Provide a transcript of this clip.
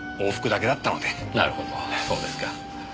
なるほどそうですか。